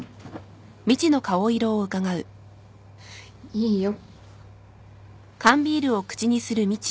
いいよ。